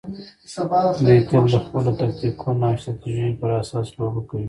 دوی تل د خپلو تکتیکونو او استراتیژیو پر اساس لوبه کوي.